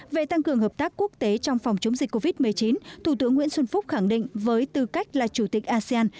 về tăng cường hợp tác quốc tế trong phòng chống dịch covid một mươi chín thủ tướng nguyễn xuân phúc khẳng định với tư cách là chủ tịch asean